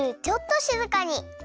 ちょっとしずかに。